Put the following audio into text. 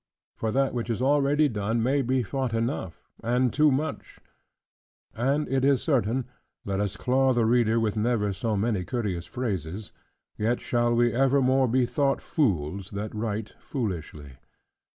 For that which is already done, may be thought enough, and too much: and it is certain, let us claw the reader with never so many courteous phrases, yet shall we evermore be thought fools, that write foolishly.